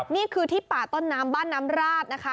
นี่คือที่ป่าต้นน้ำบ้านน้ำราดนะคะ